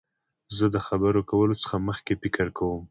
زه د خبرو کولو څخه مخکي فکر کوم.